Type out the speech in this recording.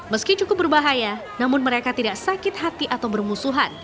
meski cukup berbahaya namun mereka tidak sakit hati atau bermusuhan